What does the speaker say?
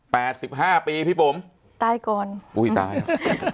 สิบห้าปีพี่บุ๋มตายก่อนอุ้ยตายแล้ว